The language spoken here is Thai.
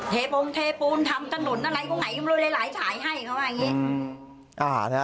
เทปูนทำจังหลุนอะไรก็ไงมีหลายสายให้เค้าว่าอย่างงี้